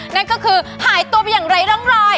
นั่นก็คือหายตัวไปอย่างไร้ร่องรอย